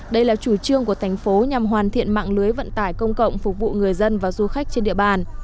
đây là chủ trương của thành phố nhằm hoàn thiện mạng lưới vận tải công cộng phục vụ người dân và du khách trên địa bàn